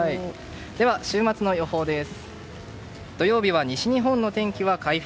では、週末の予報です。